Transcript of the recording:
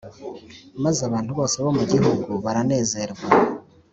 Maze abantu bose bo mu gihugu baranezerwa